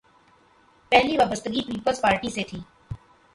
پہلی وابستگی پیپلز پارٹی سے تھی۔